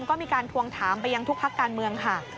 ก็มีการทวงถามไปยังทุกพักการเมืองค่ะ